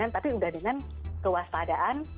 tapi udah dengan kewaspadaan